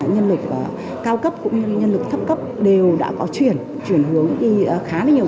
nhân lực cao cấp cũng như nhân lực thấp cấp đều đã có chuyển chuyển hướng đi khá là nhiều